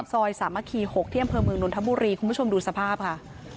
ซอย๓ม๖เที่ยมเผลอเมืองนทบุรีคุณผู้ชมดูสภาพค่ะ